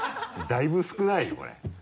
だいぶ少ないよこれ。